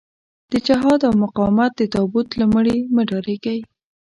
د جهاد او مقاومت د تابوت له مړي مه ډارېږئ.